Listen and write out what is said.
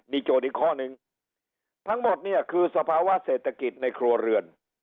โจทย์อีกข้อนึงทั้งหมดเนี่ยคือสภาวะเศรษฐกิจในครัวเรือน